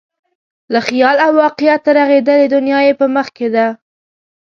له خیال او واقعیته رغېدلې دنیا یې په مخ کې ده.